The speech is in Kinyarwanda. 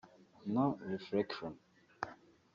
No Reflection